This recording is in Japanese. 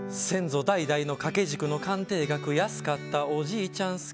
先祖代々の掛け軸の鑑定額安かったおじいちゃん